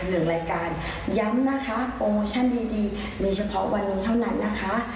หนึ่งรายการย้ำนะคะโปรโมชั่นดีดีมีเฉพาะวันนี้เท่านั้นนะคะ